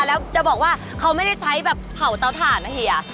แล้วจะบอกว่าเขาไม่ได้ใช้แบบเผาเตาถ่านนะเฮีย